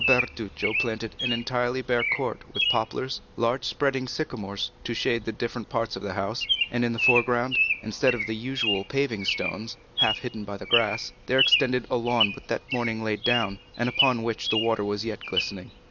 Bertuccio planted an entirely bare court with poplars, large spreading sycamores to shade the different parts of the house, and in the foreground, instead of the usual paving stones, half hidden by the grass, there extended a lawn but that morning laid down, and upon which the water was yet glistening.